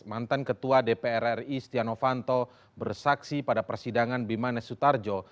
mantan ketua dpr ri setia novanto bersaksi pada persidangan bimanes sutarjo